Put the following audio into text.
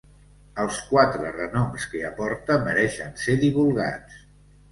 Els quatre renoms que aporta mereixen ser divulgats.